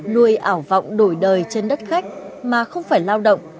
nuôi ảo vọng đổi đời trên đất khách mà không phải lao động